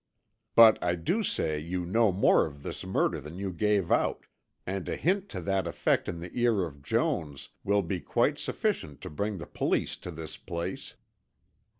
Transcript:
"But I do say you know more of this murder than you gave out, and a hint to that effect in the ear of Jones will be quite sufficient to bring the police to this place.